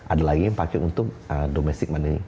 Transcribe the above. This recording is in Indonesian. ada lagi yang pakai untuk domestic money